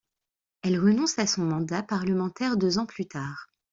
Elle renonce à son mandat parlementaire deux ans plus tard.